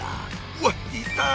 うわいた！